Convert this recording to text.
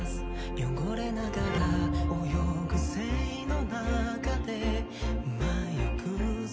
汚れながら泳ぐ生の中でまあよくぞ